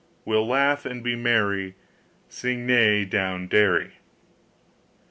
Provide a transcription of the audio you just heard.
We'll laugh and be merry, Sing neigh down derry!